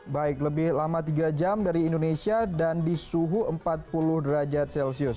baik lebih lama tiga jam dari indonesia dan di suhu empat puluh derajat celcius